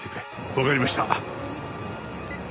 わかりました。